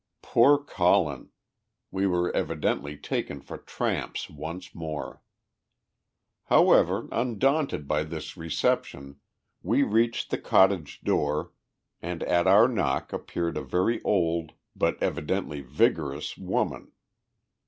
Poor Colin! We were evidently taken for tramps once more. However, undaunted by this reception, we reached the cottage door, and at our knock appeared a very old, but evidently vigorous, woman.